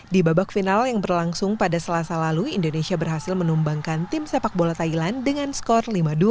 di babak final yang berlangsung pada selasa lalu indonesia berhasil menumbangkan tim sepak bola thailand dengan skor lima dua